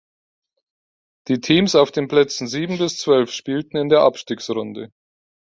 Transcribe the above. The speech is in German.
Die Teams auf den Plätzen Sieben bis Zwölf spielten in der Abstiegsrunde.